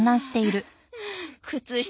靴下